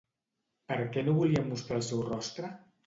Per què no volia mostrar el seu rostre?